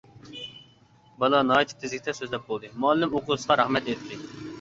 بالا ناھايىتى تېزلىكتە سۆزلەپ بولدى، مۇئەللىم ئوقۇغۇچىسىغا رەھمەت ئېيتتى.